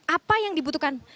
apa yang dibutuhkan